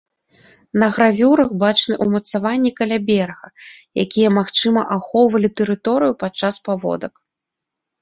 На гравюрах бачны умацаванні каля берага, якія магчыма ахоўвалі тэрыторыю падчас паводак.